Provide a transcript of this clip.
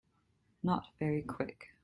Not very Quick.